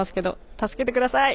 助けてください！